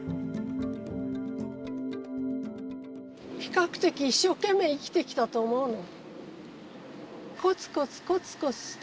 比較的一生懸命生きてきたと思うの。